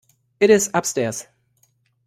It is upstairs.